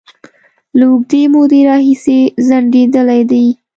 له اوږدې مودې راهیسې ځنډيدلې دي